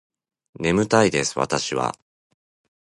眠たいです私は